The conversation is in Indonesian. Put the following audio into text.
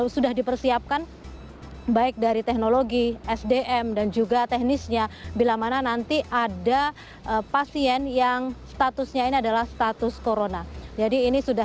sudah dipersiapkan baik dari teknologi sdm dan juga teknisnya bila mana nanti ada pasien yang statusnya ini adalah status corona jadi ini sudah